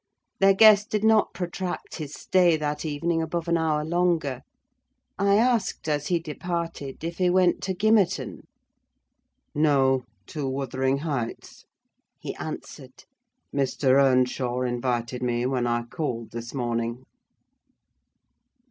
Their guest did not protract his stay that evening above an hour longer. I asked, as he departed, if he went to Gimmerton? "No, to Wuthering Heights," he answered: "Mr. Earnshaw invited me, when I called this morning."